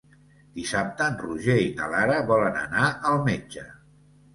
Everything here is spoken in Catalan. Dissabte en Roger i na Lara volen anar al metge.